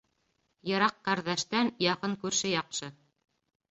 Йыраҡ ҡәрҙәштән яҡын күрше яҡшы.